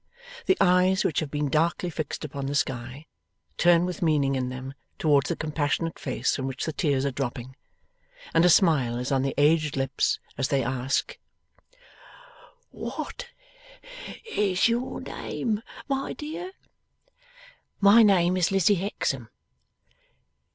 The eyes, which have been darkly fixed upon the sky, turn with meaning in them towards the compassionate face from which the tears are dropping, and a smile is on the aged lips as they ask: 'What is your name, my dear?' 'My name is Lizzie Hexam.